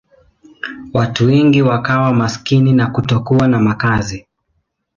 Watu wengi wakawa maskini na kutokuwa na makazi.